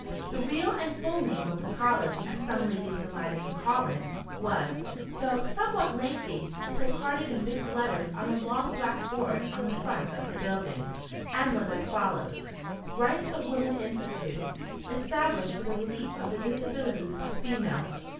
The real and full name of the college, as some ladies delighted to call it, was, though somewhat lengthy, placarded in big letters on a long black board on the front of the building, and was as follows, "Rights of Women Institute; Established for the Relief of the Disabilities of Females."